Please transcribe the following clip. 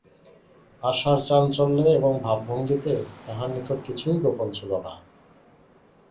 আশার চাঞ্চল্যে এবং ভাবভঙ্গিতে তাহার নিকট কিছুই গোপন ছিল না।